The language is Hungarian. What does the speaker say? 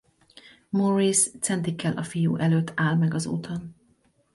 Maurice centikkel a fiú előtt áll meg az úton.